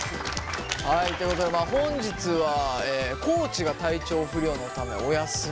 はいということで本日は地が体調不良のためお休み。